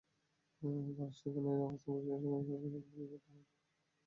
তাঁরা যেখানে অবস্থান করছেন সেখানে সাদা পোশাকে পুলিশের টহল রাখা হয়েছে।